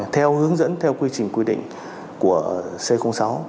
theo hướng dẫn theo quy trình quy định của c sáu